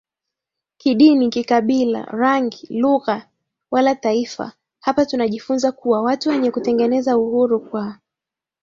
kidini kikabila rangi lugha wala Taifa Hapa tunajifunza kuwa watu wenye kutengeneza Uhuru kwa